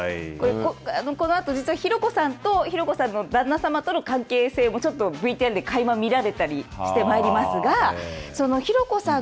このあと実はひろこさんとひろこさんの旦那さまとの関係性もちょっとＶＴＲでかいま見られたりしてまいりますがそのひろこさん